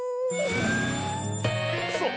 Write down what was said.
そう。